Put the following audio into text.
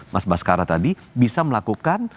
mas baskara tadi bisa melakukan